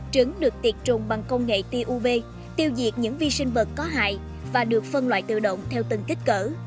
trứng được tiệt trùng bằng công nghệ t uv tiêu diệt những vi sinh vật có hại và được phân loại tự động theo từng kích cỡ